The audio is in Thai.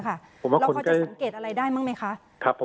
เราพอจะสังเกตอะไรได้บ้างไหมคะ